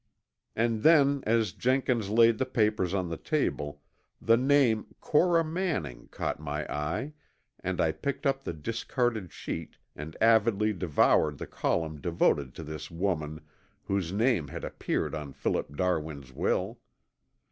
And then as Jenkins laid the papers on the table, the name, Cora Manning, caught my eye and I picked up the discarded sheet and avidly devoured the column devoted to this woman whose name had appeared on Philip Darwin's will.